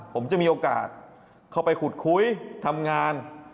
ผมจะมีโอกาสเข้าไปขุดคุยทำงาน